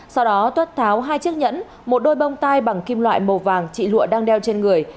sau đó tuất tháo hai chiếc nhẫn một đôi bông tai bằng kim loại màu vàng chị lụa đang đeo trên người